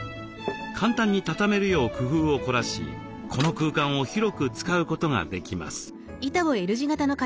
簡単に畳めるよう工夫を凝らしこの空間を広く使うことができます。